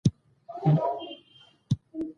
احمد درې میاشتې له موږ سره کار وکړ.